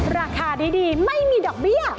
ราคาดีไม่มีดอกเบี้ย